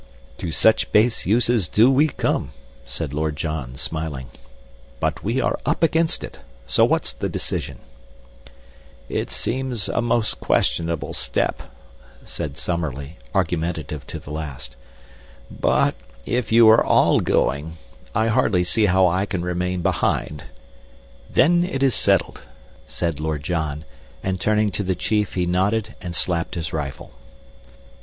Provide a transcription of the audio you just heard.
"To such base uses do we come," said Lord John, smiling. "But we are up against it, so what's the decision?" "It seems a most questionable step," said Summerlee, argumentative to the last, "but if you are all going, I hardly see how I can remain behind." "Then it is settled," said Lord John, and turning to the chief he nodded and slapped his rifle.